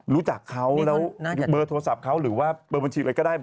รู้จักเขาแล้วเบอร์โทรศัพท์เขาหรือว่าเบอร์บัญชีอะไรก็ได้